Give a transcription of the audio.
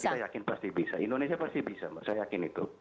kita yakin pasti bisa indonesia pasti bisa mbak saya yakin itu